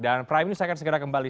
dan prime news akan segera kembali